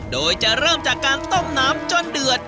โดยจะเริ่มจากการต้มน้ำจนเดือด